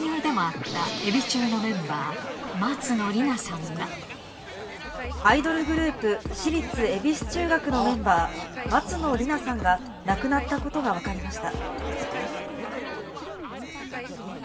実はアイドルグループ私立恵比寿中学のメンバー松野莉奈さんが亡くなったことが分かりました。